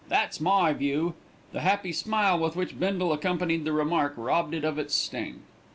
That's my view." The happy smile with which Bindle accompanied the remark robbed it of its sting.